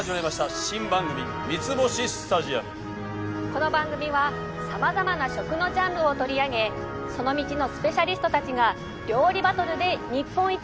この番組は様々な食のジャンルを取り上げその道のスペシャリストたちが料理バトルで日本一を競います。